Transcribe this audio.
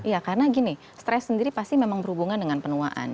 ya karena gini stres sendiri pasti memang berhubungan dengan penuaan